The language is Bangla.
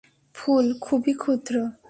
ফুল খুবই ক্ষুদ্র।